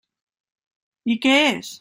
I què és?